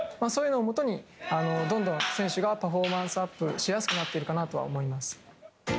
そういうのをもとにどんどん選手がパフォーマンスアップしやすくなっているかなとは思います。